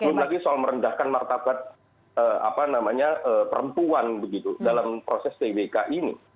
belum lagi soal merendahkan martabat perempuan begitu dalam proses twk ini